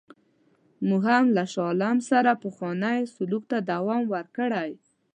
موږ هم له شاه عالم سره پخوانی سلوک ته دوام ورکړی.